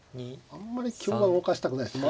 あんまり香は動かしたくないです。